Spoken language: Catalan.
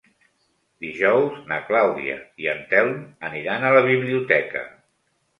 Dijous na Clàudia i en Telm aniran a la biblioteca.